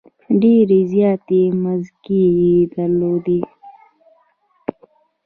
ډېرې زیاتې مځکې یې درلودلې.